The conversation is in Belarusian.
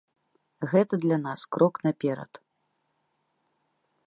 Гэта для нас крок наперад.